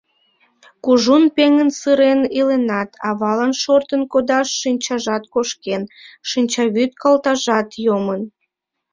Кужун пеҥын-сырен иленат, авалан шортын кодаш шинчажат кошкен, шинчавӱд калтажат йомын.